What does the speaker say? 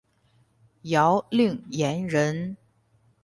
姚令言人。